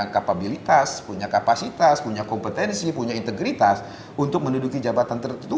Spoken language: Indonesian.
kapabilitas punya kapasitas punya kompetensi punya integritas untuk menduduki jabatan tertentu